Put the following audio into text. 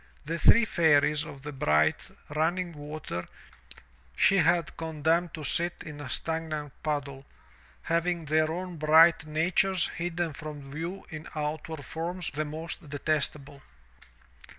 The three Fairies of the bright, running water she condemned to sit in a stagnant puddle, having their own bright natures hidden from view in outward forms the most detestable.